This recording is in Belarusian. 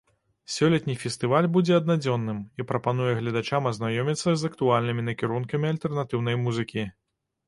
Сёлетні фестываль будзе аднадзённым і прапануе гледачам азнаёміцца з актуальнымі накірункамі альтэрнатыўнай музыкі.